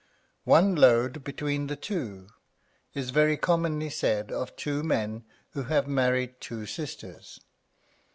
One load between the two is very commonly said of two men who have married two sisters.